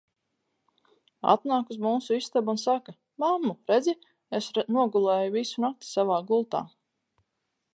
Atnāk uz mūsu istabu un saka "mammu, redzi, es nogulēju visu nakti savā gultā".